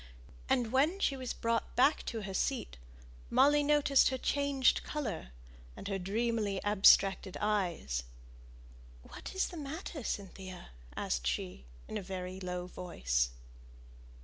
And when she was brought back to her seat Molly noticed her changed colour, and her dreamily abstracted eyes. "What is the matter, Cynthia?" asked she, in a very low voice.